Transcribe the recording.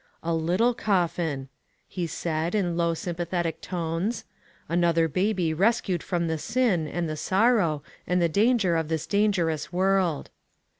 "A little coffin," he said, in low, sympa thetic tones. "Another baby rescued from the sin, and the sorrow, and the danger of this dangerous world."